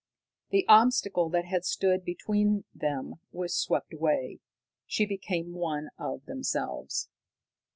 The obstacle that had stood between them was swept away. She became one of themselves.